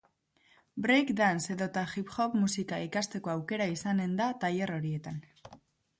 Break dance edota hip hop musika ikastekoaukera izanen da tailer horietan.